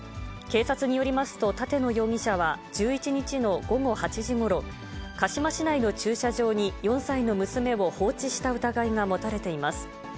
警察によりますと、立野容疑者は１１日の午後８時ごろ、鹿嶋市内の駐車場に４歳の娘を放置した疑いが持たれています。